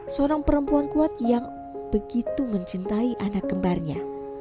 seorang perempuan kuat yang begitu mencintai anak kembarnya